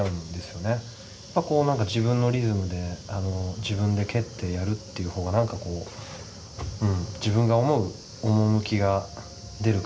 まあこう何か自分のリズムで自分で蹴ってやるっていう方が何かこううん自分が思う趣が出る感じがするんですよね。